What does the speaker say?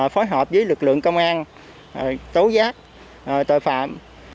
phối hợp với lực lượng công an tố giác tội phạm